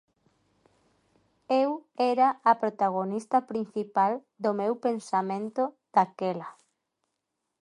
Eu era a protagonista principal do meu pensamento daquela.